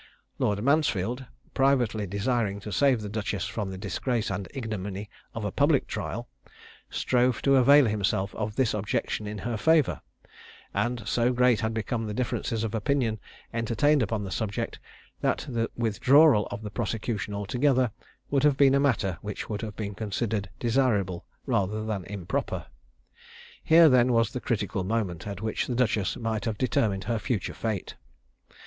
Lord Mansfield, privately desiring to save the duchess from the disgrace and ignominy of a public trial, strove to avail himself of this objection in her favour; and so great had become the differences of opinion entertained upon the subject, that the withdrawal of the prosecution altogether would have been a matter which would have been considered desirable rather than improper. Here then was the critical moment at which the duchess might have determined her future fate.